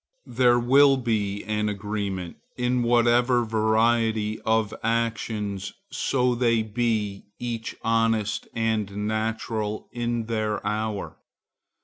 There will be an agreement in whatever variety of actions, so they be each honest and natural in their hour.